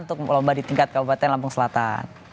untuk lomba di tingkat kabupaten lampung selatan